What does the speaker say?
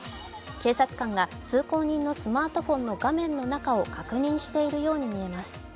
警察官が通行人のスマートフォンの画面の中を確認しているように見えます。